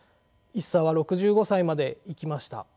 一茶は６５歳まで生きました。